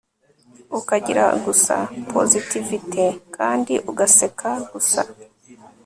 ukagira gusa positivité kandi ugaseka gusa